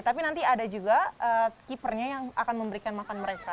tapi nanti ada juga keepernya yang akan memberikan makan mereka